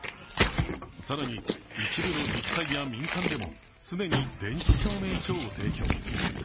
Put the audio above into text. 更に、一部の自治体や民間でも既に電子証明書を提供。